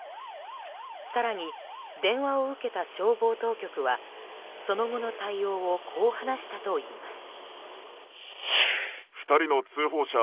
更に、電話を受けた消防当局はその後の対応をこう話したといいます。